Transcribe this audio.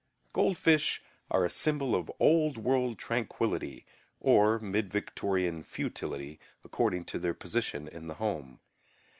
Goldfish are a symbol of old world tranquillity or mid Victorian futility according to their position in the home.